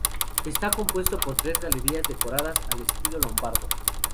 Está compuesto por tres galerías decoradas al estilo lombardo.